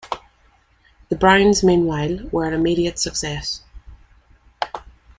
The Browns, meanwhile, were an immediate success.